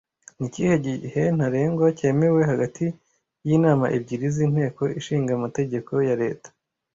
Ni ikihe gihe ntarengwa cyemewe hagati yinama ebyiri zinteko ishinga amategeko ya leta